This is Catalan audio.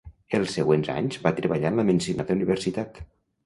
Els següents anys va treballar en la mencionada universitat.